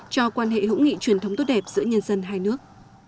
cho quan hệ hữu nghị truyền thống tốt đẹp giữa nhân dân hai nước